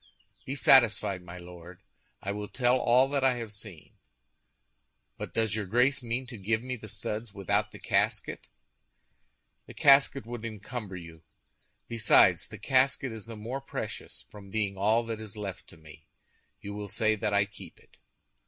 "Be satisfied, my Lord, I will tell all that I have seen. But does your Grace mean to give me the studs without the casket?" "The casket would encumber you. Besides, the casket is the more precious from being all that is left to me. You will say that I keep it."